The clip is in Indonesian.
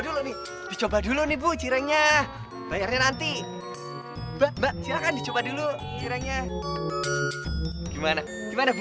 dulu nih coba dulu nih bu jiranya bayarnya nanti mbak silakan dicoba dulu jiranya gimana gimana